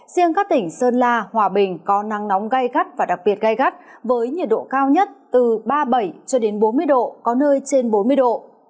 riêng các tỉnh sơn la hòa bình có nắng nóng gai gắt và đặc biệt gai gắt với nhiệt độ cao nhất từ ba mươi bảy cho đến bốn mươi độ có nơi trên bốn mươi độ